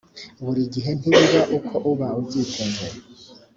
buri gihe ntibiba uko uba ubyiteze